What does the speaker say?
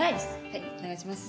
はいお願いします。